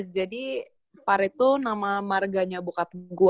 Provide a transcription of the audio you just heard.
jadi farr itu nama marganya bokap gue